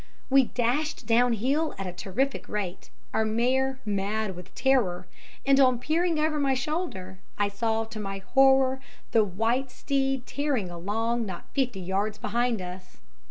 We dashed downhill at a terrific rate, our mare mad with terror, and on peering over my shoulder I saw, to my horror, the white steed tearing along not fifty yards behind us.